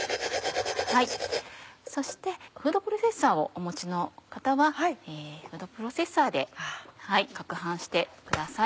そしてフードプロセッサーをお持ちの方はフードプロセッサーで撹拌してください。